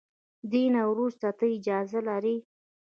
دې نه وروسته ته اجازه لري.